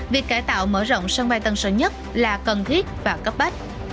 việc cải tạo mở rộng sân bay tân sơn nhất là cần thiết và cấp bách